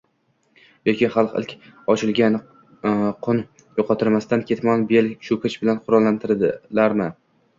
Yoki xalq ilk ochilgan qun yoqtirmasdan ketmon, bel, cho'kich bilan qulatdilarmi?